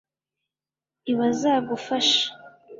ntibazagufasha